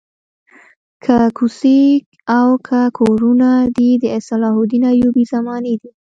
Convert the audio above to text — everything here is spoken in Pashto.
که کوڅې او که کورونه دي د صلاح الدین ایوبي زمانې دي.